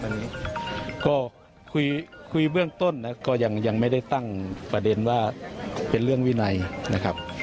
อันนี้ก็คุยเบื้องต้นนะก็ยังไม่ได้ตั้งประเด็นว่าเป็นเรื่องวินัยนะครับ